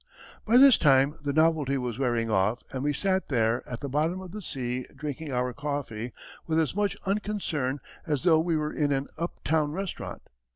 By this time the novelty was wearing off and we sat there, at the bottom of the sea, drinking our coffee with as much unconcern as though we were in an up town restaurant.